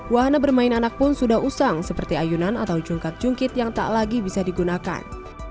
wahana bermain anak pun sudah usang seperti ayunan atau jungkat jungkit yang tak lagi bisa digunakan